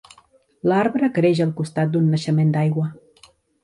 L'arbre creix al costat d'un naixement d'aigua.